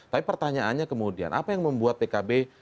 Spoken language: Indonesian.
tapi pertanyaannya kemudian apa yang membuat pkb